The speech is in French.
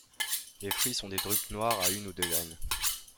Les fruits sont des drupes noires à une ou deux graines.